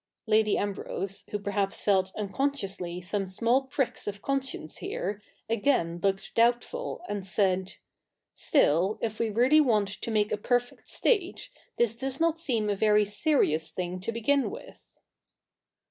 Lady Ambrose, who perhaps felt unconsciously some small pricks of conscience here, again looked doubtful and said, ' Still if we really want to make a perfect state, this does not seem a very serious thing to begin with.'